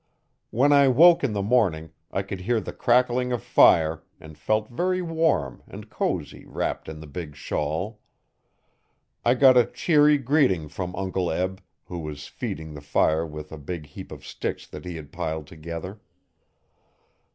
When I woke in the morning, I could hear the crackling of fire, and felt very warm and cosy wrapped in the big shawl. I got a cheery greeting from Uncle Eb, who was feeding the fire with a big heap of sticks that he had piled together.